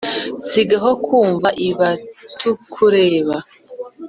sigaho kumva ibatukureba